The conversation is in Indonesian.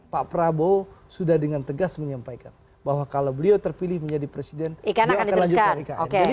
pak prabowo sudah dengan tegas menyampaikan bahwa kalau beliau terpilih menjadi presiden beliau akan lanjutkan ikn